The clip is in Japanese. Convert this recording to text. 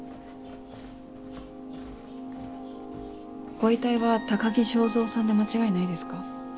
ご遺体は高木昭三さんで間違いないですか？